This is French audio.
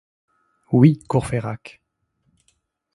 Oui, Courfeyrac.